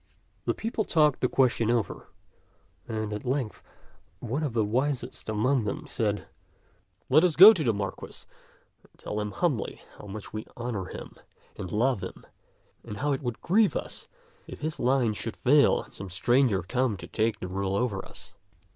The people talked the question over, and at length one of the wisest among them said, " Let us go to the Marquis and tell him humbly how much we honor him and love him and how it would grieve us if his line should fail and some stranger come to take the rule over us."